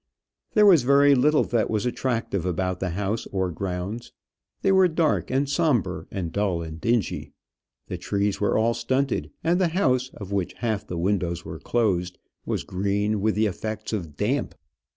There was very little that was attractive about the house or grounds. They were dark and sombre, and dull and dingy. The trees were all stunted, and the house, of which half the windows were closed, was green with the effects of damp.